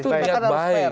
itu ingat baik